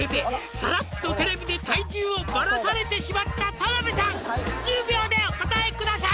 「さらっとテレビで体重をバラされてしまった田辺さん」「１０秒でお答えください」